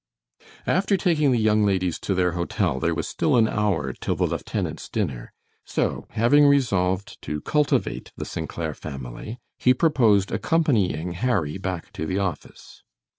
After taking the young ladies to their hotel there was still an hour till the lieutenant's dinner, so, having resolved to cultivate the St. Clair family, he proposed accompanying Harry back to the office.